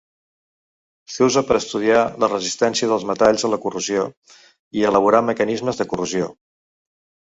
S'usa per estudiar la resistència dels metalls a la corrosió i elaborar mecanismes de corrosió.